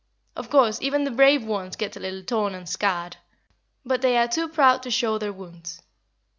Of course, even the brave ones get a little torn and scarred, but they are too proud to show their wounds.